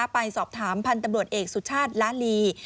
ไปสอบถามพันธุ์ตำรวจเอกสุชาติล้านลี